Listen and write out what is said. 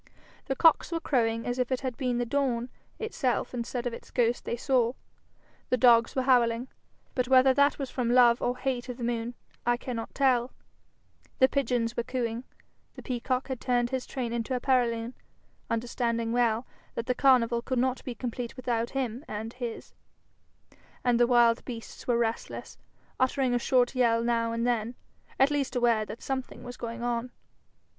The cocks were crowing as if it had been the dawn itself instead of its ghost they saw; the dogs were howling, but whether that was from love or hate of the moon, I cannot tell; the pigeons were cooing; the peacock had turned his train into a paralune, understanding well that the carnival could not be complete without him and his; and the wild beasts were restless, uttering a short yell now and then, at least aware that something was going on.